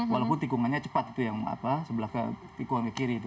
walaupun tikungannya cepat itu yang sebelah ke tikungan ke kiri itu